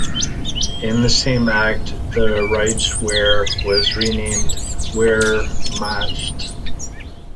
In the same act, the "Reichswehr" was renamed "Wehrmacht".